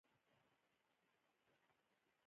ښایسته ښکلی مخ بدرنګ شی چی ځوانی تیره شی.